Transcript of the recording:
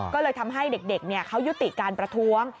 ก็เลยทำให้เด็กเขายุติการประท้วง